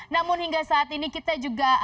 namun hingga saat ini kita juga